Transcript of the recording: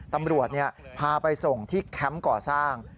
ตำรวจพาไปส่งที่แคมป์ก่อสร้าง